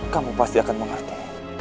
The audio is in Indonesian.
kamu pasti akan mengerti